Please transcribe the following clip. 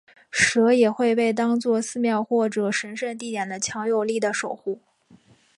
蛇也会被当做寺庙或者神圣地点的强有力的守护。